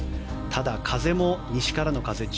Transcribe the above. ただ、風も西からの風１０ｍ。